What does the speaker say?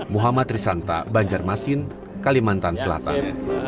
muhammad risanta banjarmasin kalimantan selatan